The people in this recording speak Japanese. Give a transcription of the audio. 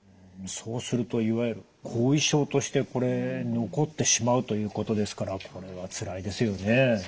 そうするといわゆる後遺症としてこれ残ってしまうということですからこれはつらいですよね。